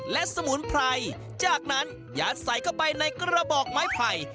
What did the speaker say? และสมุนไพรจากนั้นยัดใส่เข้าไปในกระบอกไม้ไผ่